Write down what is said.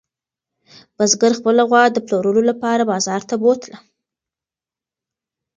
بزګر خپله غوا د پلورلو لپاره بازار ته بوتله.